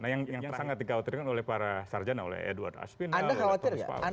nah yang sangat dikhawatirkan oleh para sarjana oleh edward aspina oleh pak ruspalo